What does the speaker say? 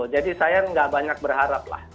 jadi saya tidak banyak berharap